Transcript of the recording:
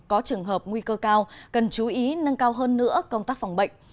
có trường hợp nguy cơ cao cần chú ý nâng cao hơn nữa công tác phòng bệnh